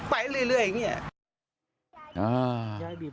ไปเรื่อยอย่างนี้